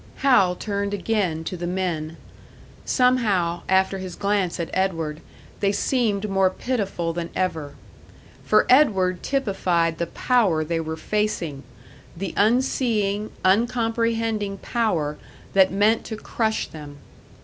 Hal turned again to the men; somehow, after his glance at Edward, they seemed more pitiful than ever. For Edward typified the power they were facing the unseeing, uncomprehending power that meant to crush them.